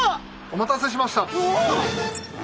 お待たせしました。